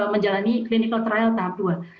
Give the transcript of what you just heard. menjalani clinical trial tahap dua